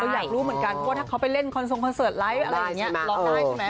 ก็อยากรู้เหมือนกันเพราะว่าถ้าเขาไปเล่นอะไรอย่างเงี้ยร้องได้ใช่ไหม